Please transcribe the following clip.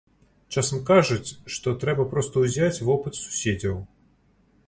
Часам кажуць, што трэба проста ўзяць вопыт суседзяў.